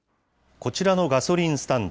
こちらのガソリンスタンド。